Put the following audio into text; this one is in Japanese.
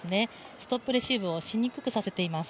ストップレシーブをしにくくさせています。